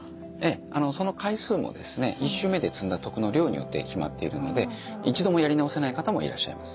その回数も１周目で積んだ徳の量によって決まっているので一度もやり直せない方もいらっしゃいます。